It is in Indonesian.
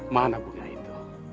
mana punya itu